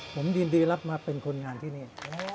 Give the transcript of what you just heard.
ผมยินดีรับมาเป็นคนงานที่นี่